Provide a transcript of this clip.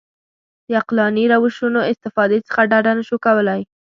د عقلاني روشونو استفادې څخه ډډه نه شو کولای.